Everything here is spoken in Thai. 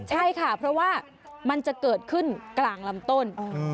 ใช่ค่ะเพราะว่ามันจะเกิดขึ้นกลางลำต้น